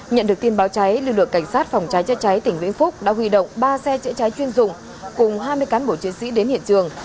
nhận được tin báo cháy lực lượng cảnh sát phòng cháy chữa cháy tỉnh vĩnh phúc đã huy động ba xe chữa cháy chuyên dụng cùng hai mươi cán bộ chiến sĩ đến hiện trường